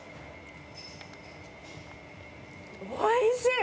おいしい！